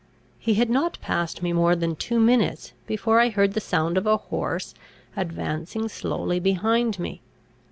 He had not passed me more than two minutes before I heard the sound of a horse advancing slowly behind me.